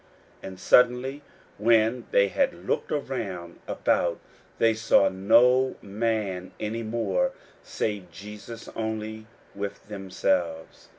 41:009:008 And suddenly, when they had looked round about, they saw no man any more, save Jesus only with themselves.